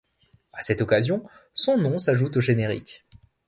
À cette occasion, son nom s'ajoute au générique.